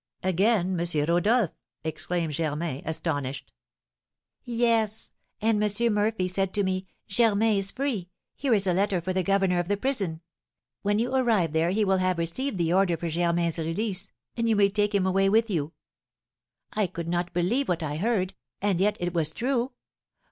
"Again M. Rodolph!" exclaimed Germain, astonished. "Yes, and M. Murphy said to me, 'Germain is free here is a letter for the governor of the prison; when you arrive there he will have received the order for Germain's release, and you may take him away with you.' I could not believe what I heard, and yet it was true.